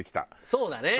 そうだね。